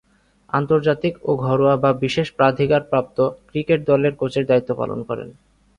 আন্তর্জাতিক ও ঘরোয়া বা বিশেষ প্রাধিকারপ্রাপ্ত ক্রিকেট দলের কোচের দায়িত্ব পালন করেন।